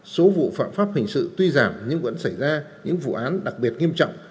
số vụ phạm pháp hình sự tuy giảm nhưng vẫn xảy ra những vụ án đặc biệt nghiêm trọng